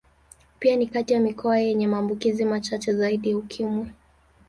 Pia ni kati ya mikoa yenye maambukizi machache zaidi ya Ukimwi.